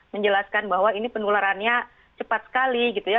menjelaskan bahwa ini penularannya cepat sekali gitu ya